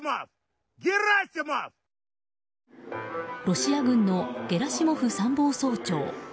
ロシア軍のゲラシモフ参謀総長。